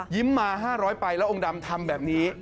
มา๕๐๐ไปแล้วองค์ดำทำแบบนี้